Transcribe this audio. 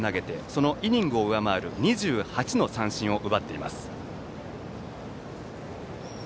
そのイニングを上回る２８の三振を奪っています。